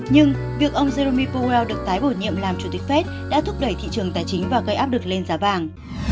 nhưng việc ông jeromy powell được tái bổ nhiệm làm chủ tịch fed đã thúc đẩy thị trường tài chính và gây áp lực lên giá vàng